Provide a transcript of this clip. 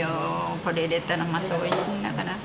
これ入れたらまたおいしいんだから。